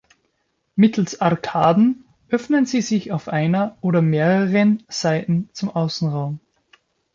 Mittels Arkaden öffnen sie sich auf einer oder mehreren Seiten zum Außenraum.